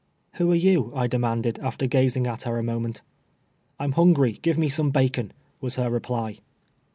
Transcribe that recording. " "Who are yon ?" I demanded, after gazing at her a moment. " I'm hungry ; give me some bacon," was her reply.